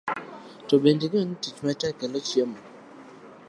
To bende ing'eyo ni tich matek kelo chiemo?